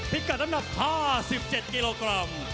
พิกัดน้ำหนัก๕๗กิโลกรัม